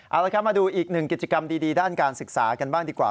เอาละครับมาดูอีกหนึ่งกิจกรรมดีด้านการศึกษากันบ้างดีกว่า